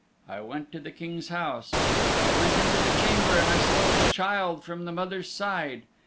I went to the King's house. I went into the chamber and I stole the child from the mother's side.